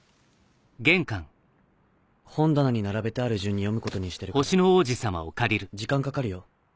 本棚に並べてある順に読むことにしてるから時間かかるよ。